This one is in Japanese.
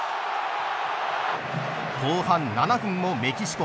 後半７分もメキシコ。